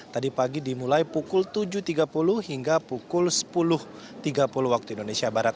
tadi pagi dimulai pukul tujuh tiga puluh hingga pukul sepuluh tiga puluh waktu indonesia barat